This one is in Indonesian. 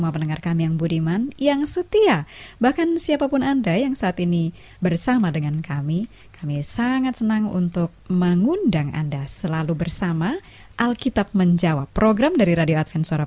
pendengar yang beriman anda akan segera mengikuti ruang alkitab menjawab